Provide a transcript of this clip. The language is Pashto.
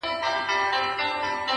کرۍ ورځ به کړېدی د زوی له غمه-